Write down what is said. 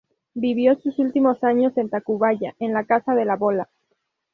Vivió sus últimos años en Tacubaya, en la Casa de la Bola.